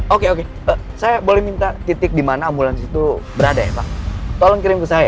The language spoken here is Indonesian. oke oke saya boleh minta titik di mana ambulans itu berada ya pak tolong kirim ke saya